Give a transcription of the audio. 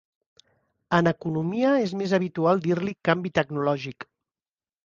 En economia és més habitual dir-li "canvi tecnològic".